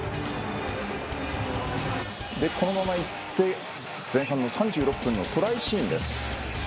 このままいって、前半の３６分のトライシーンです。